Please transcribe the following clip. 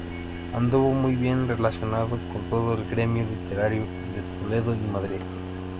Anduvo muy bien relacionado con todo el gremio literario de Toledo y Madrid.